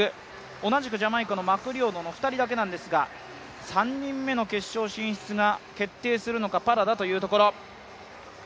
同じくジャマイカのマクリオドの２人だけなんですが３人目の決勝進出が決まるのか、パラダというところ。